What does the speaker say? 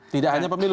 tidak hanya pemilu